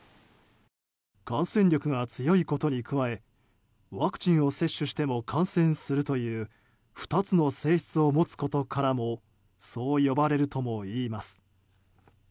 感染力が強いことに加えワクチンを接種しても感染するという２つの性質を持つことからもそう呼ばれるともいいます。